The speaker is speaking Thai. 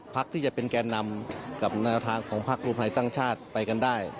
พักที่จะเป็นแก่นำกับแนวทางของพักรวมไทยสร้างชาติไปกันได้